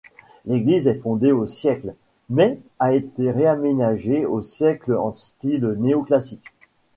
L'église est fondée au siècle, mais a été réaménagée au siècle en style néo-classique.